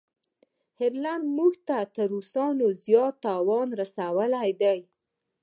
انګلینډ موږ ته تر روسانو زیات تاوان رسولی دی.